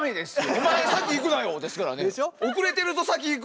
「お前先行くなよ」ですからね。でしょ。